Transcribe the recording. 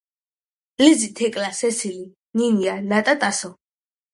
ლიზი თეკლა სესილი ნინია ნატა ტასო